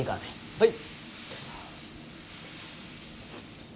はい。